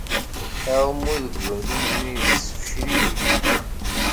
Aɛumu deg ugelmim-nni yessefcel-iyi.